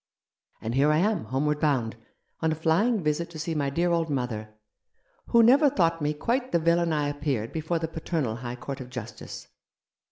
And here I am, home ward bound, on a flying visit to see my dear old mother, who never thought me quite the villain I appeared before the paternal high court of justice.